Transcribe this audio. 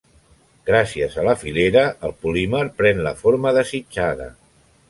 Gràcies a la filera, el polímer pren la forma desitjada.